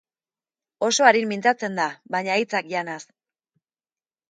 Oso arin mintzatzen da, baina hitzak janaz.